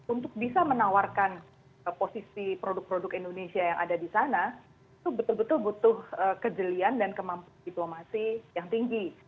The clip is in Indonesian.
untuk bisa menawarkan posisi produk produk indonesia yang ada di sana itu betul betul butuh kejelian dan kemampuan diplomasi yang tinggi